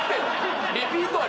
リピートは？